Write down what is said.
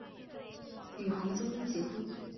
与黄宗英结婚。